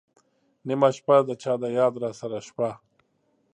نېمه شپه ، د چا د یاد راسره شپه